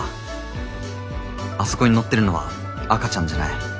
あそこにのってるのは赤ちゃんじゃない。